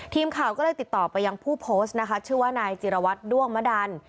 ทีมข่าวก็เลยติดต่อไปยังผู้โพสต์นะคะชื่อว่านายจิรวัตรด้วงมะดัน